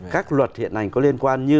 các luật hiện hành có liên quan như